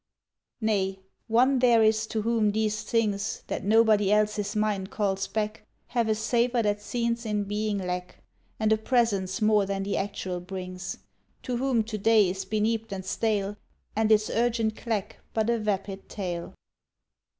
Nay: one there is to whom these things, That nobody else's mind calls back, Have a savour that scenes in being lack, And a presence more than the actual brings; To whom to day is beneaped and stale, And its urgent clack But a vapid tale.